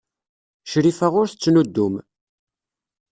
Crifa ur tettnuddum.